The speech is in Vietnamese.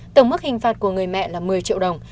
tổng mức hình phạt của người mẹ là một mươi triệu đồng